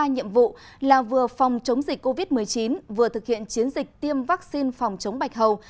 ba nhiệm vụ là vừa phòng chống dịch covid một mươi chín vừa thực hiện chiến dịch tiêm vaccine phòng chống bạch hầu